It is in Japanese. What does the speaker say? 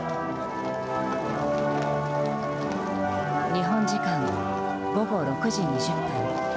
日本時間午後６時２０分。